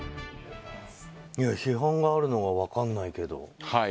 批判があるのは分からないけど。